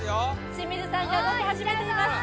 清水さんが動き始めています